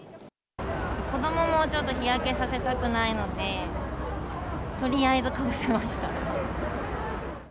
子どももちょっと日焼けさせたくないので、とりあえずかぶせました。